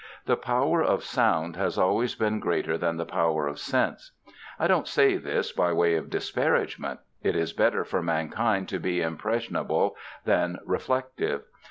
The power of sound has always been greater than the power of sense. I don't say this by way of disparagement. It is better for mankind to be impressionable than reflective.